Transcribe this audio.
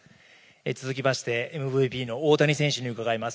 続きまして、ＭＶＰの大谷選手に伺います。